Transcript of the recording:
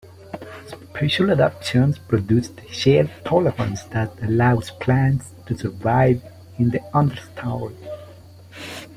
Special adaptations produce the shade tolerance that allows plants to survive in the understory.